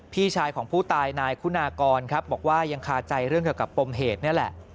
พี่ชายของผู้ตายนายคุณากรครับบอกว่ายังคาใจเรื่องเกี่ยวกับปมเหตุนี่แหละ